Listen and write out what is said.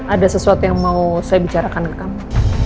ada sesuatu yang mau saya bicarakan ke kamu